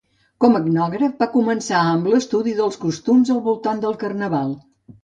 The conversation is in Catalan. Com etnògraf, va començar amb l'estudi dels costums al voltant del carnaval.